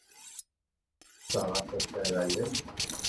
Ttesseɣ asafar-a yal ass.